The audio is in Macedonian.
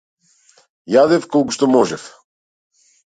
Јадев колку што можев.